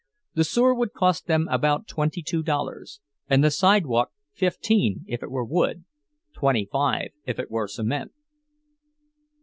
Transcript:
The sewer would cost them about twenty two dollars, and the sidewalk fifteen if it were wood, twenty five if it were cement.